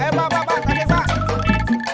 eh pak pak pak tasik pak